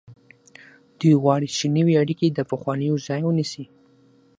دوی غواړي چې نوې اړیکې د پخوانیو ځای ونیسي.